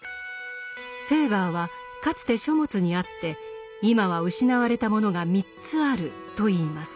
フェーバーはかつて書物にあって今は失われたものが３つあると言います。